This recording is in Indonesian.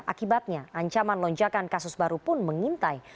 akibatnya ancaman lonjakan kasus baru pun mengintai